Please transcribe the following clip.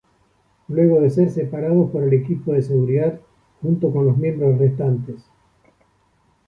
Luego de ser separados por el equipo de seguridad junto con los miembros restantes.